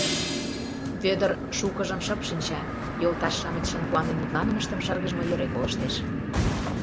Вӧдыр шукыжым шып шинча, йолташ-шамычшын куанен мутланымыштым шыргыжме йӧре колыштеш.